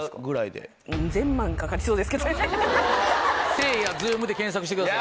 「せいやｚｏｏｍ」で検索してください。